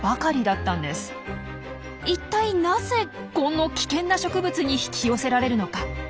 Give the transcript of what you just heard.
一体なぜこの危険な植物に引き寄せられるのか？